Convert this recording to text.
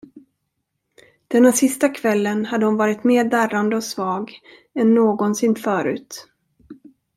Denna sista kvällen hade hon varit mer darrande och svag än någonsin förut.